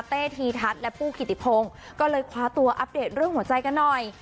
ธีทัศน์และผู้กิติพงศ์ก็เลยคว้าตัวอัปเดตเรื่องหัวใจกันหน่อย